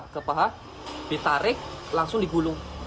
kepah ditarik langsung digulung